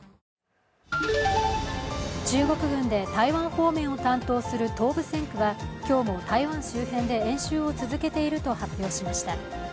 中国軍で台湾方面を担当する東部戦区は今日も台湾周辺で演習を続けていると発表しました。